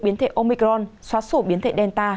biến thể omicron xóa sổ biến thể delta